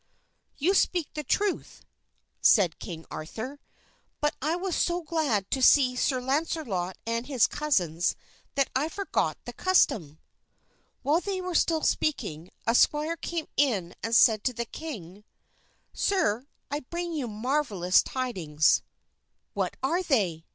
"You speak the truth," said King Arthur, "but I was so glad to see Sir Launcelot and his cousins that I forgot the custom." While they were still speaking, a squire came in and said to the king, "Sir, I bring you marvelous tidings." "What are they?"